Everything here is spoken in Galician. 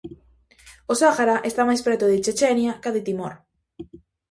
O Sáhara está máis preto de Chechenia ca de Timor.